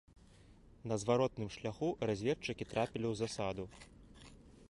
На зваротным шляху разведчыкі трапілі ў засаду.